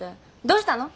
どうしたの？